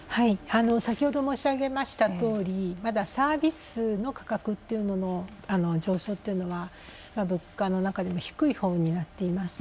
先ほど申し上げましたとおりまだサービスの価格の上昇というのは物価の中でも低いほうになっています。